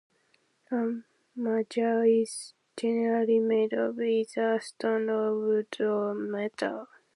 A manger is generally made of either stone or wood or metal.